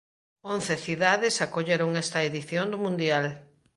Once cidades acolleron esta edición do mundial.